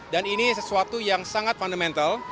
dan ini sesuatu yang sangat fundamental